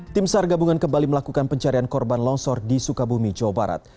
tim sar gabungan kembali melakukan pencarian korban longsor di sukabumi jawa barat